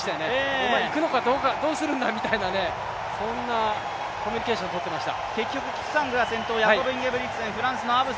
お前、行くのかどうするのかというコミュニケーションをとっていました。